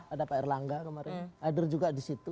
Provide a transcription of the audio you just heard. ada pak erlangga kemarin hadir juga disitu